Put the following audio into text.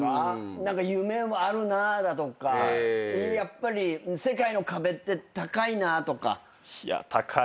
何か夢はあるなだとかやっぱり世界の壁って高いなとか。